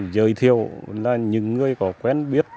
giới thiệu là những người có quen biết